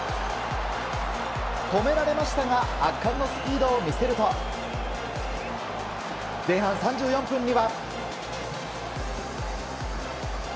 止められましたが圧巻のスピードを見せると前半３４分には。